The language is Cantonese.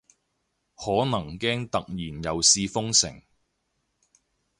可能驚突然又試封城